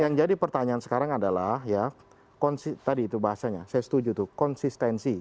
yang jadi pertanyaan sekarang adalah ya tadi itu bahasanya saya setuju tuh konsistensi